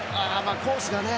コースがね。